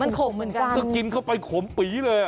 มันขมเหมือนกันคือกินเข้าไปขมปีเลยอ่ะ